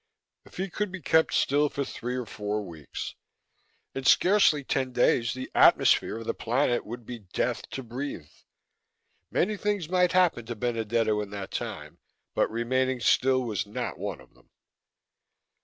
If he could be kept still for three or four weeks. In scarcely ten days, the atmosphere of the planet would be death to breathe! Many things might happen to Benedetto in that time, but remaining still was not one of them.